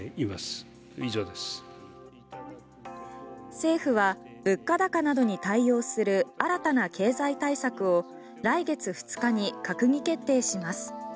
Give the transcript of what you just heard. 政府は物価高などに対応する新たな経済対策を来月２日に閣議決定します。